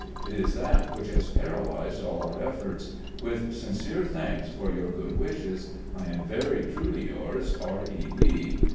It is that which has paralysed all our efforts. With sincere thanks for your good wishes, "I am very truly yours, "R. E. Lee.